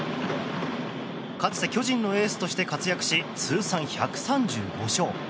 かつて巨人のエースとして活躍し通算１３５勝。